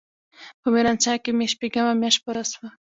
په ميرانشاه کښې مې شپږمه مياشت پوره سوه.